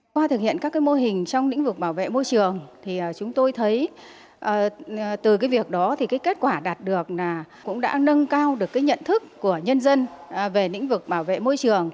qua thực hiện các mô hình trong lĩnh vực bảo vệ môi trường chúng tôi thấy từ việc đó kết quả đạt được cũng đã nâng cao được nhận thức của nhân dân về lĩnh vực bảo vệ môi trường